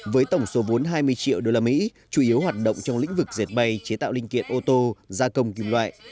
với tổng số vốn hai mươi triệu usd chủ yếu hoạt động trong lĩnh vực dệt may chế tạo linh kiện ô tô gia công kim loại